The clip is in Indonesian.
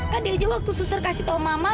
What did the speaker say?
kadi aja waktu susur kasih tahu mama